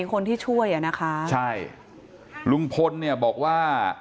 คนที่ช่วยใช่ลุงพลเนี่ยบอกว่า